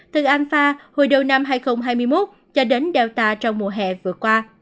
từ alpha hồi đầu năm hai nghìn hai mươi một cho đến delta trong mùa hè vừa qua